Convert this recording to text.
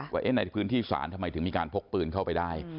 ว่าในพื้นที่ศาลทำไมถึงมีการพกปืนเข้าไปได้